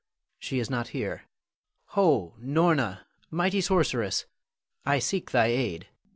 She is not here. Ho, Norna, mighty sorceress! I seek thy aid.